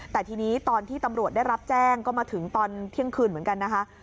แต่ทีนี้ตอนที่ตำรวจได้รับแจ้งก็มาถึงตอนเที่ยงคืนเหมือนกันนะคะ